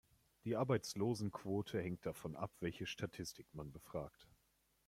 Die Arbeitslosenquote hängt davon ab, welche Statistik man befragt.